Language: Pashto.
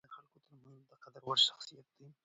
معلم غني د کلي د خلکو تر منځ د قدر وړ شخصیت دی.